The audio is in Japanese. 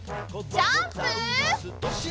ジャンプ！